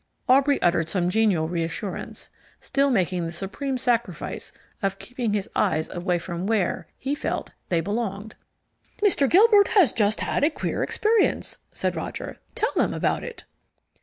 Aubrey uttered some genial reassurance, still making the supreme sacrifice of keeping his eyes away from where (he felt) they belonged. "Mr. Gilbert has just had a queer experience," said Roger. "Tell them about it."